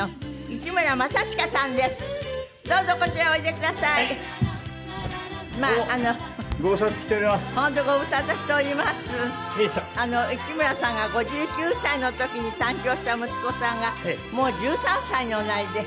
市村さんが５９歳の時に誕生した息子さんがもう１３歳におなりで。